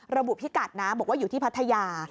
พิกัดนะบอกว่าอยู่ที่พัทยา